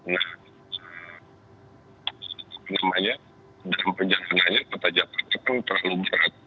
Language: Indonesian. nah namanya dalam perjalanannya kota jepang itu terlalu berat